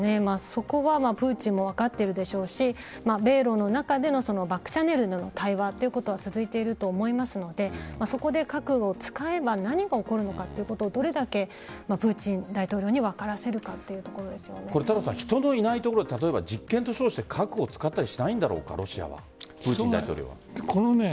そこはプーチンも分かっているでしょうし米露の中でのバックチャンネルでの対話は続いていると思いますのでそこで核を使えば何が起こるのかということをどれだけプーチン大統領に分からせるか人のいないところで例えば実験と称して核を使ったりしないんだろうかプーチン大統領は。